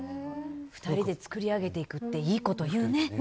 ２人で作り上げていくっていいこと言うね！